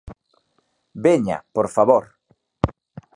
¡Veña, por favor!